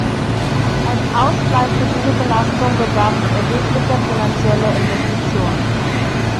Als Ausgleich für diese Belastung bedarf es erheblicher finanzieller Investitionen.